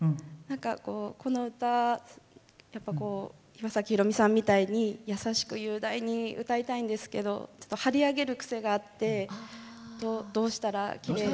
この歌、岩崎宏美さんみたいに優しく雄大に歌いたいんですけどちょっと張り上げる癖があってどうしたらきれいに。